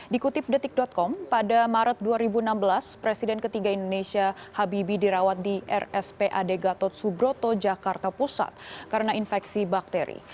dikutip detik com pada maret dua ribu enam belas presiden ketiga indonesia habibi dirawat di rspad gatot subroto jakarta pusat karena infeksi bakteri